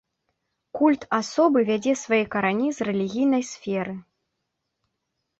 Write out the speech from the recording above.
Культ асобы вядзе свае карані з рэлігійнай сферы.